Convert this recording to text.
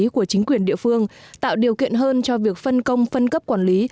tổ chức chính quyền địa phương tạo điều kiện hơn cho việc phân công phân cấp quản lý